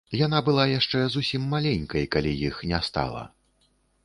Яна была яшчэ зусім маленькай, калі іх не стала.